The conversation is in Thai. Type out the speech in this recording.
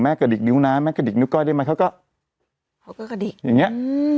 แล้วมีความหวังในชีวิตขึ้นมาเนี่ย